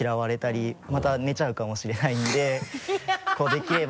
できれば。